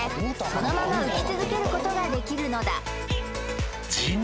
そのまま浮き続けることができるのだ